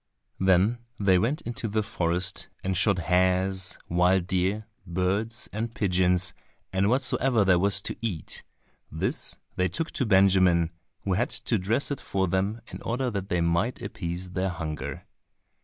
Then they went into the forest and shot hares, wild deer, birds and pigeons, and whatsoever there was to eat; this they took to Benjamin, who had to dress it for them in order that they might appease their hunger.